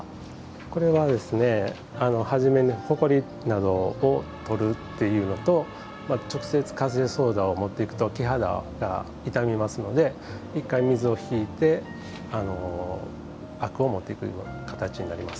これは、初めにほこりなどを取るというのと直接カセイソーダを持っていくと木肌が傷みますので１回水を引いて灰汁を持ってくる形になります。